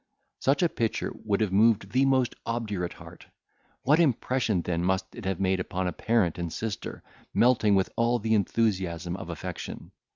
Such a picture would have moved the most obdurate heart; what impression then must it have made upon a parent and sister, melting with all the enthusiasm of affection!